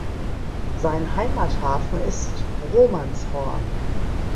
Sein Heimathafen ist Romanshorn.